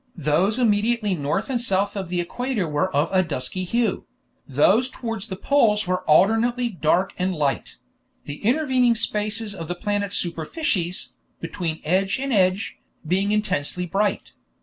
Those immediately north and south of the equator were of a dusky hue; those toward the poles were alternately dark and light; the intervening spaces of the planet's superficies, between edge and edge, being intensely bright.